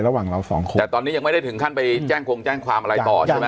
ระหว่างเราสองคนแต่ตอนนี้ยังไม่ได้ถึงขั้นไปแจ้งความอะไรต่อใช่มั้ย